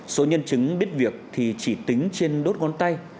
số nhân chứng biết việc thì chỉ tính trên đốt ngón tay